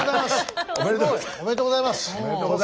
すごい。おめでとうございます。